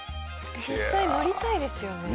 実際乗りたいですよね。